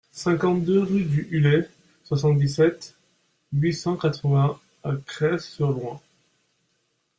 cinquante-deux rue de Hulay, soixante-dix-sept, huit cent quatre-vingts à Grez-sur-Loing